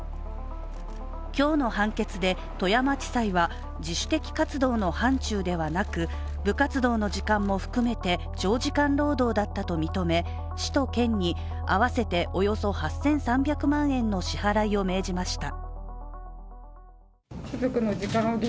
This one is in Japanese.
今日の判決で富山地裁は、自主的活動の範ちゅうではなく部活動の時間も含めて、長時間労働だったと認め市と県に合わせておよそ８３００万円の支払いを命じました。